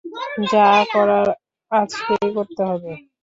যা করার আজকেই করতে হবে।